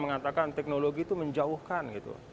mengatakan teknologi itu menjauhkan